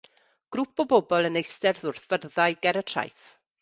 Grŵp o bobl yn eistedd wrth fyrddau ger y traeth.